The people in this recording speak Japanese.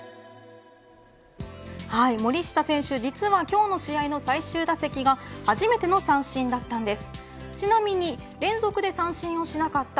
森下選手、実は今日の試合の最終打席が初めての三振だったんです。